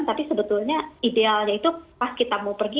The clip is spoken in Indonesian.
tapi sebetulnya idealnya itu pas kita mau pergi